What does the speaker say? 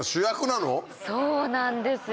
そうなんですよ。